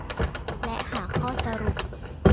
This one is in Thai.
และหาข้อสรุป